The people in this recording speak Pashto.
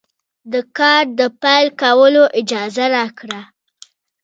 د کار د پیل کولو اجازه راکړه.